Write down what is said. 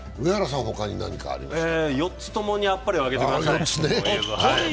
４つともにあっぱれをあげてください。